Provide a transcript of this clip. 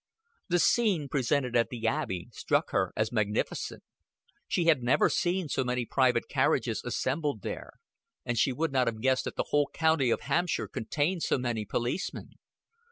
The scene presented at the Abbey struck her as magnificent. She had never seen so many private carriages assembled together, and she would not have guessed that the whole county of Hampshire contained so many policemen.